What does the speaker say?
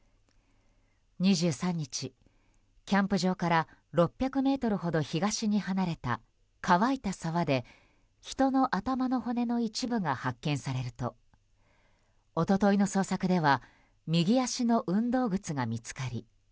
２３日、キャンプ場から６００ｍほど東に離れた乾いた沢で人の頭の骨の一部が発見されると一昨日の捜索では右足の運動靴が見つかり